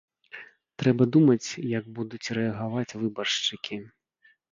Трэба думаць, як будуць рэагаваць выбаршчыкі.